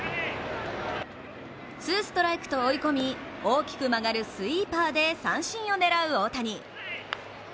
ツーストライクと追い込み大きく曲がるスイーパーで三振を狙う大谷。